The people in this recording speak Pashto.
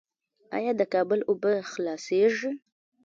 آیا د کابل اوبه خلاصیږي؟